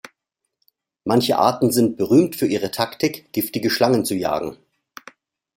Manche Arten sind berühmt für ihre Taktik, giftige Schlangen zu jagen.